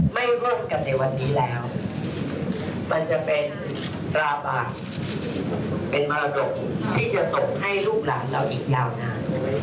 ไม่ร่วมกันในวันนี้แล้วมันจะเป็นตราบาปเป็นมรดกที่จะส่งให้ลูกหลานเราอีกยาวนาน